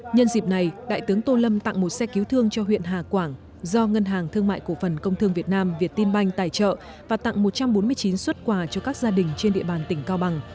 nhân dịp này đại tướng tô lâm tặng một xe cứu thương cho huyện hà quảng do ngân hàng thương mại cổ phần công thương việt nam việt tinh banh tài trợ và tặng một trăm bốn mươi chín xuất quà cho các gia đình trên địa bàn tỉnh cao bằng